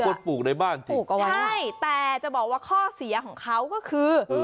ควรปลูกในบ้านจริงใช่แต่จะบอกว่าข้อเสียของเขาก็คือ